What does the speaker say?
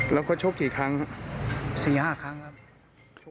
แล้วเขาชกกี่ครั้งครับ